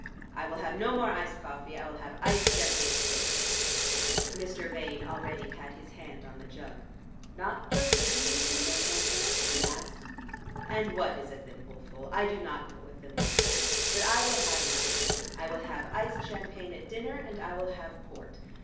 I will have no more iced coffee. I will have iced champagne at dinner." Mr. Vane already had his hand on the jug. "Not just a wee thimbleful, sir?" he asked. "And what is a thimbleful? I do not know a thimbleful. But I will have none. I will have iced champagne at dinner, and I will have port.